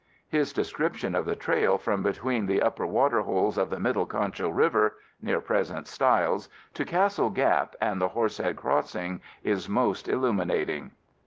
His description of the trail from between the upper water holes of the Middle Concho River (near present Stiles) to Castle Gap and the Horsehead Crossing is most illuminating.